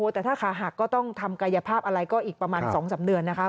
แต่ถ้าขาหักก็ต้องทำกายภาพอะไรก็อีกประมาณ๒๓เดือนนะคะ